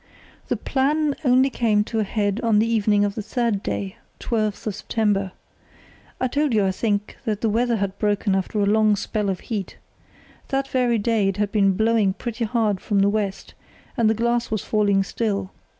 "The plan only came to a head on the evening of the third day, on the 12th of September. "I told you, I think, that the weather had broken after a long spell of heat. That very day it had been blowing pretty hard from the west, and the glass was falling still.